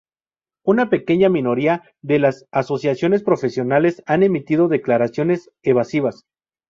Una pequeña minoría de las asociaciones profesionales han emitido declaraciones evasivas.